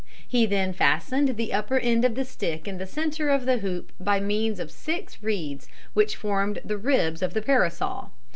He then fastened the upper end of the stick in the center of the hoop by means of six reeds which formed the ribs of the parasol.